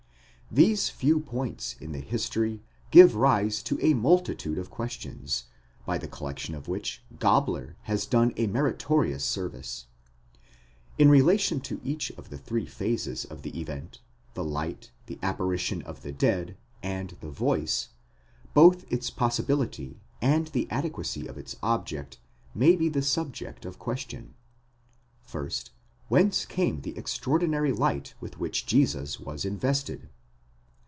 These few points in the history give rise to a multitude of questions, by the collection of which Gabler has done a meritorious service.? In relation to each of the three phases of the event—the light, the apparition of the dead, and the voice—both its possibility, and the adequacy of its object, may be the subject of question. First, whence came the extraordinary light with which Jesus was invested?